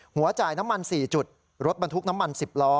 หัวจ่ายน้ำมัน๔จุดรถบรรทุกน้ำมัน๑๐ล้อ